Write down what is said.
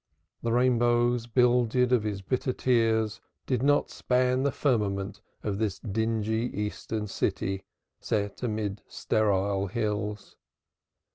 The rainbows builded of his bitter tears did not span the firmament of this dingy Eastern city, set amid sterile hills.